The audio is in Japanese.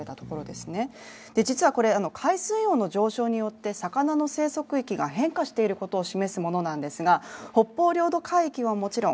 実はこれ、海水温の上昇によって魚の生息域が変化していることを示すものなんですが、北方領土海域はもちろん。